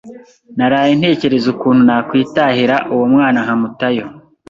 Naraye ntekereza ukuntu nakwitahira uwo mwana nkamutayo